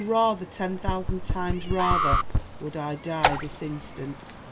rather, ten thousand times rather, would I die this instant!"